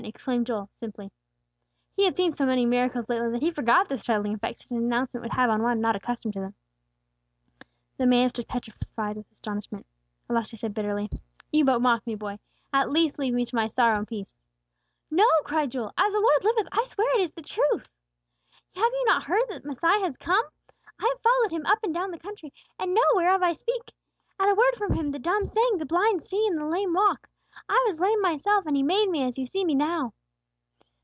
exclaimed Joel, simply. He had seen so many miracles lately, that he forgot the startling effect such an announcement would have on one not accustomed to them. [Illustration: "'YOU BUT MOCK ME, BOY'"] The man stood petrified with astonishment. At last he said bitterly, "You but mock me, boy; at least leave me to my sorrow in peace." "No!" cried Joel. "As the Lord liveth, I swear it is the truth. Have you not heard that Messiah has come? I have followed Him up and down the country, and know whereof I speak. At a word from Him the dumb sing, the blind see, and the lame walk. I was lame myself, and He made me as you see me now."